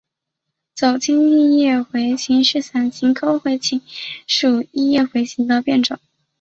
走茎异叶茴芹是伞形科茴芹属异叶茴芹的变种。